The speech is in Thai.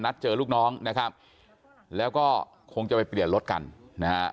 เจอลูกน้องนะครับแล้วก็คงจะไปเปลี่ยนรถกันนะฮะ